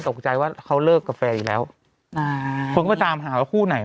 ตกใจว่าเขาเลิกกับแฟนอยู่แล้วอ่าคนก็ไปตามหาว่าคู่ไหน